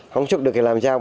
không xuất được thì làm sao